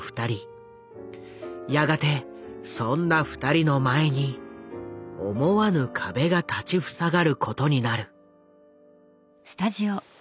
やがてそんな二人の前に思わぬ壁が立ち塞がることになる。